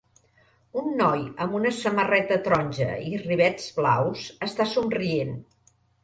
Un noi amb una samarreta taronja i rivets blaus està somrient.